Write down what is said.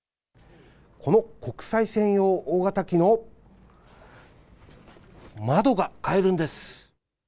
この国際線用大型機の窓が買えるんです。